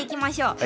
はい。